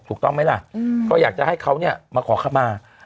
ถูกต้องไหมล่ะก็อยากจะให้เขาเนี่ยมาขอขมา